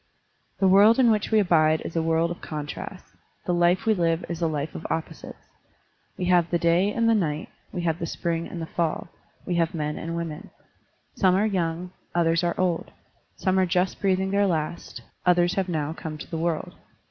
The world in which we abide is a world of contrasts; the life we live is a life of opposites. We have the day and the night, we have the spring and the fall, we have men and women. Some are yovmg, others are old; some are just breathing their last, others have now come to the world.